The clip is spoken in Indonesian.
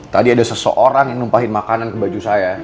tadi ada seseorang yang numpahin makanan ke baju saya